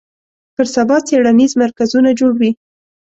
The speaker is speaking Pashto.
پر سبا څېړنیز مرکزونه جوړ وي